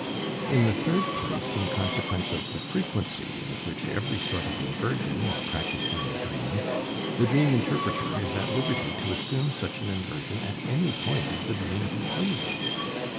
In the third place, in consequence of the frequency with which every sort of inversion is practised in the dream, the dream interpreter is at liberty to assume such an inversion at any point of the dream he pleases.